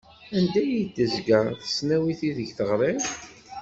Anda i d-tezga tesnawit ideg teɣriḍ?